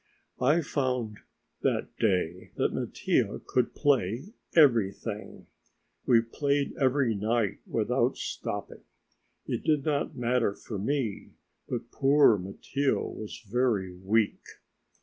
I found that day that Mattia could play everything. We played until night, without stopping. It did not matter for me, but poor Mattia was very weak.